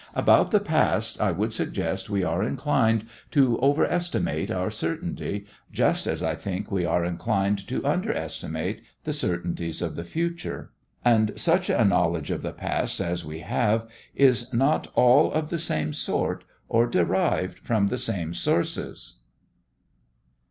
About the past I would suggest we are inclined to overestimate our certainty, just as I think we are inclined to underestimate the certainties of the future. And such a knowledge of the past as we have is not all of the same sort or derived from the same sources.